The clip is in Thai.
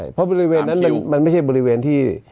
เพราะบริเวณนั้นมันไม่ใช่บริเวณที่